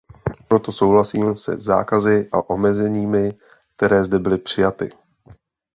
Proto souhlasím se zákazy a omezeními, které zde byly přijaty.